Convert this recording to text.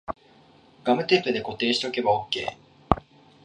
ガムテープで固定しとけばオッケー